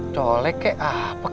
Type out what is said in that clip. colek kek apa kek